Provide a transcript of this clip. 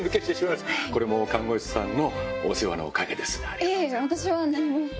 いえいえ私は何も。